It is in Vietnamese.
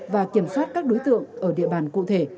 và kiểm soát các đối tượng ở địa bàn cụ thể